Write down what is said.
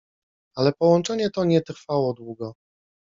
Ale połączenie to nie trwało długo.